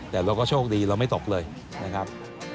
แต่เราก็โชคดีเราไม่ตกเลยนะครับ